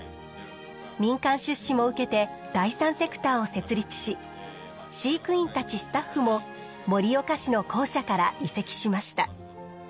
民間出資も受けて第三セクターを設立し飼育員たちスタッフも盛岡市の公社から移籍しました。